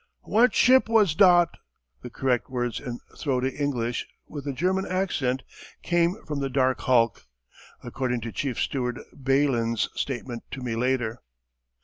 "What ship was dot?" The correct words in throaty English with a German accent came from the dark hulk, according to Chief Steward Ballyn's statement to me later.